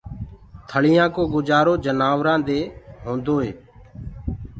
ٿݪيآ ڪو گُجآرو جنآورآنٚ دي هونٚدوئي